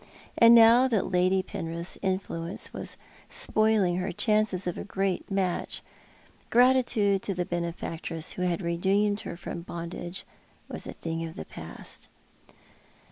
And now that Lady Penrith's influence was spoiling her chances of a great match, gratitude to the benefactress wlio had redeemed her from bondage was a thing of the past.